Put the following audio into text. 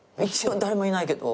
誰もいないけど。